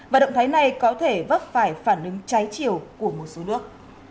và động thái này có thể vấp phải phản ứng trái chiều của một số nước